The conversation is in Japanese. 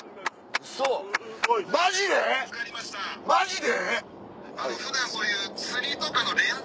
マジで？